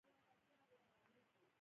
د پیتالوژي علم د سرطان پړاو معلوموي.